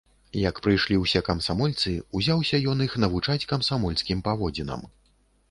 Як прыйшлі ўсе камсамольцы, узяўся ён іх навучаць камсамольскім паводзінам.